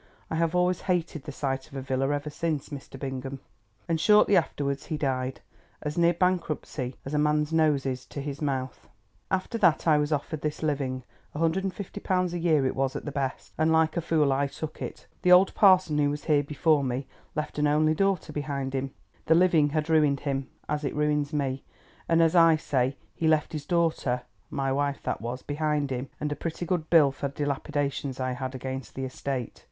I have always hated the sight of a villa ever since, Mr. Bingham. And shortly afterwards he died, as near bankruptcy as a man's nose is to his mouth. "After that I was offered this living, £150 a year it was at the best, and like a fool I took it. The old parson who was here before me left an only daughter behind him. The living had ruined him, as it ruins me, and, as I say, he left his daughter, my wife that was, behind him, and a pretty good bill for dilapidations I had against the estate.